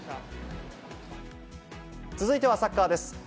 続いてはサッカーです。